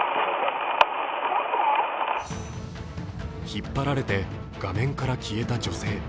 引っ張られて画面から消えた女性。